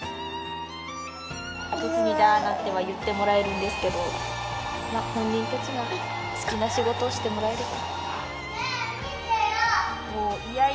後継ぎだなんては言ってもらえるんですけどまあ本人たちが好きな仕事をしてもらえれば。